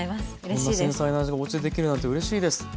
こんな繊細な味がおうちでできるなんてうれしいです。